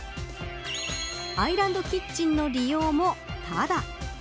アイランドキッチンの利用もただ。